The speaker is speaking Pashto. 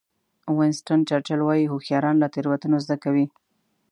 وینسټن چرچل وایي هوښیاران له تېروتنو زده کوي.